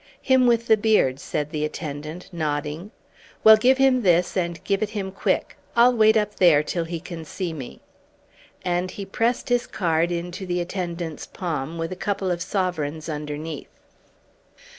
"Him with the beard," said the attendant, nodding. "Well, give him this, and give it him quick. I'll wait up there till he can see me." And he pressed his card into the attendant's palm, with a couple of sovereigns underneath.